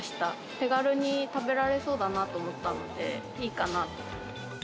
手軽に食べられそうだなと思ったのでいいかなと。